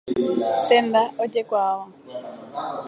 Tenda ojekuaáva.